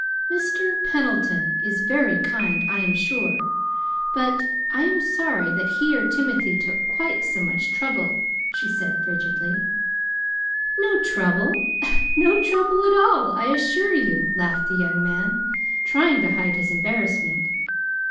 "Mr. Pendleton is very kind, I am sure; but I am sorry that he or Timothy took quite so much trouble," she said frigidly. "No trouble no trouble at all, I assure you," laughed the young man, trying to hide his embarrassment.